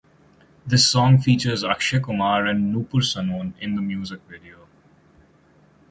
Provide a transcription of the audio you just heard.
This song features Akshay Kumar and Nupur Sanon in the music video.